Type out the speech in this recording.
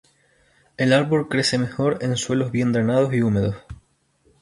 El árbol crece mejor en suelos bien drenados y húmedos.